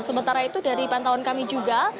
sementara itu dari pantauan kami juga